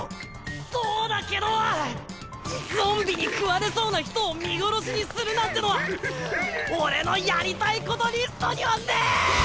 ⁉そうだけどゾンビに食われそうな人を見殺しにするなんてのは俺のやりたいことリストにはねぇ！